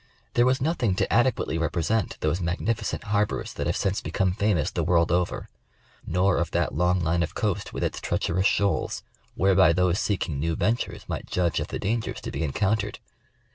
There was nothing to adequately represent those mag nificent harbors that have since become famous the world over ; nor of that long line of coast with its treacherous shoals, whereby those seeking new ventures might judge of the dangers to be encountered.